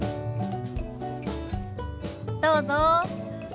どうぞ。